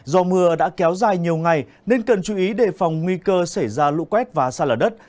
do mưa đã kéo dài nhiều ngày nên cần chú ý đề phòng nguy cơ xảy ra lũ quét và xa lở đất